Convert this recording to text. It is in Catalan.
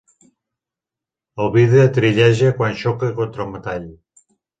El vidre tritlleja quan xoca contra el metall.